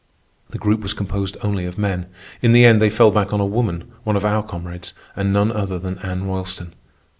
The Group was composed only of men. In the end they fell back on a woman, one of our comrades, and none other than Anna Roylston.